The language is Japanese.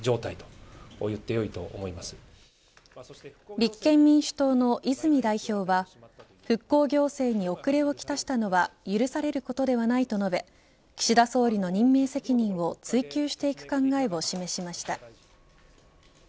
立憲民主党の泉代表は復興行政に遅れをきたしたのは許されることではないと述べ岸田総理の任命責任を追求していく考えを示しました。